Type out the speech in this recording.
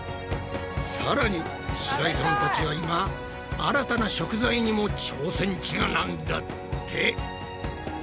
さらに白井さんたちは今新たな食材にも挑戦中なんだって。